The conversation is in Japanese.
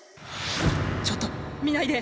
ちょっと見ないで。